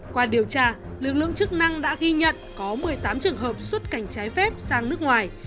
qua điều tra lực lượng chức năng đã ghi nhận có một mươi tám trường hợp xuất cảnh trái phép sang nước ngoài